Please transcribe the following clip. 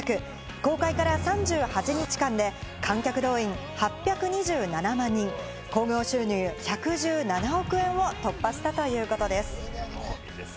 公開から３８日間で観客動員８２７万人、興行収入１１７億円を突破したということです。